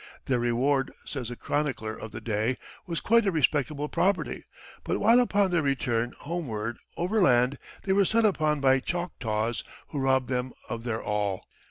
Their reward, says a chronicler of the day, was "quite a respectable property;" but while upon their return homeward, overland, they were set upon by Choctaws, who robbed them of their all.